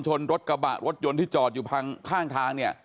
ชนรถกระบะรถยนต์ที่จอดอยู่ข้างทางเนี่ย